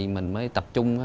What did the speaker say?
năm máy tăng